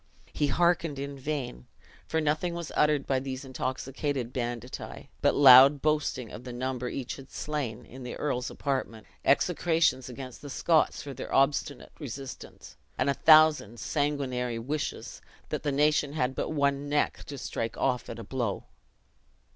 He hearkened in vain, for nothing was uttered by these intoxicated banditti, but loud boastings of the number each had slain in the earl's apartment; execrations against the Scots for their obstinate resistance; and a thousand sanguinary wishes, that the nation had but one neck, to strike off at a blow.